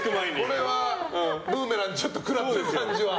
これはブーメランちょっと食らってる感じは。